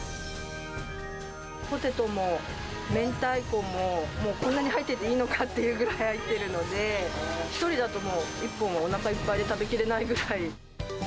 ポテトも明太子も、こんなに入ってていいのかっていうぐらい入ってるので、１人だともう、１本もおなかいっぱいで食べきれないぐらい。